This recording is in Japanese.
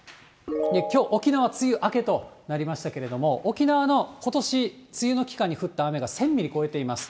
きょう、沖縄、梅雨明けとなりましたけれども、沖縄のことし、梅雨の期間に降った雨が１０００ミリを超えています。